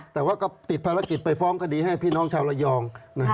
แต่ว่าก็ติดภารกิจไปฟ้องคดีให้พี่น้องชาวระยอง